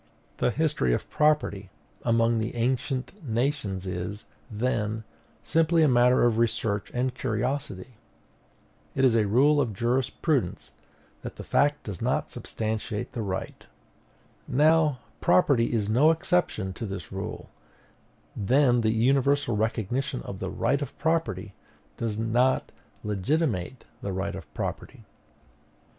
The history of property among the ancient nations is, then, simply a matter of research and curiosity. It is a rule of jurisprudence that the fact does not substantiate the right. Now, property is no exception to this rule: then the universal recognition of the right of property does not legitimate the right of property.